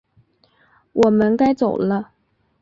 我们该走了